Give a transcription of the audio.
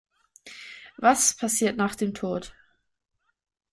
Was passiert nach dem Tod?